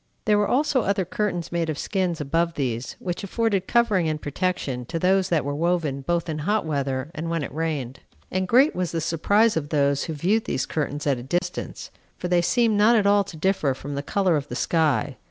There were also other curtains made of skins above these, which afforded covering and protection to those that were woven both in hot weather and when it rained. And great was the surprise of those who viewed these curtains at a distance, for they seemed not at all to differ from the color of the sky.